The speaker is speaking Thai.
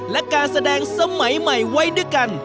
และการแสดงสมัยใหม่ไว้ด้วยกัน